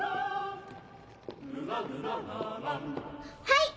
はい！